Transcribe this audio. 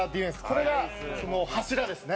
これが柱ですね